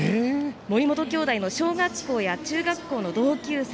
森本兄弟の中学校や小学校の同級生